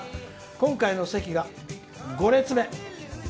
今回の席が５列目。